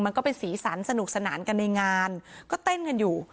มันก็เป็นสีสันสนุกสนานกันในงานก็เต้นกันอยู่